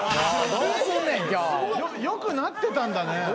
良くなってたんだね。